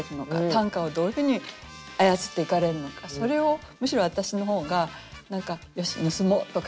短歌をどういうふうに操っていかれるのかそれをむしろ私の方が何か「よし盗もう」とかね